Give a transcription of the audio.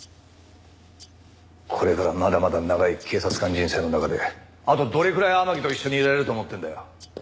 これからまだまだ長い警察官人生の中であとどれくらい天樹と一緒にいられると思ってるんだよ。